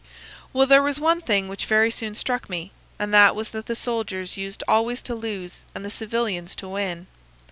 "Well, there was one thing which very soon struck me, and that was that the soldiers used always to lose and the civilians to win.